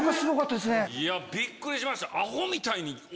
びっくりしました。